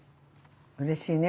うれしいね。